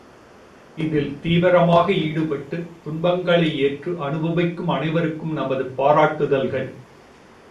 இதில் தீவிரமாக ஈடுபட்டுத் துன்பங்களை ஏற்று அனுபவிக்கும் அனைவருக்கும் நமது பாராட்டுதல்கள்!